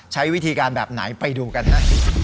ใช้วิธีการแบบไหนไปดูกันนะ